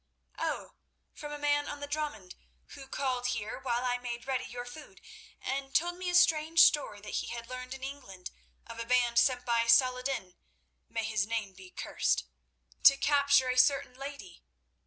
Oh, from a man on the dromon who called here while I made ready your food, and told me a strange story that he had learned in England of a band sent by Salah ed din—may his name be accursed!—to capture a certain lady.